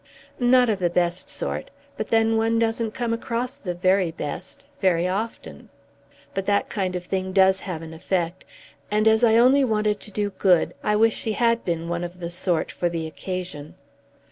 "Not of the best sort. But then one doesn't come across the very best, very often. But that kind of thing does have an effect; and as I only wanted to do good, I wish she had been one of the sort for the occasion."